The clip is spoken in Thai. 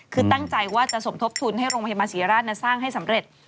คือตั้งใจว่าจะสมทบทุนให้โรงพยาบาลศรีราชสร้างให้สำเร็จ